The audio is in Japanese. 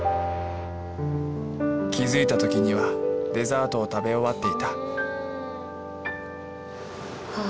気づいた時にはデザートを食べ終わっていたは。